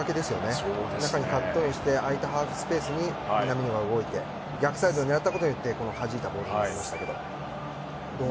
中にカットインして空いたスペースに南野が動いて逆サイド狙ったことによってはじいたボール堂安がいきました。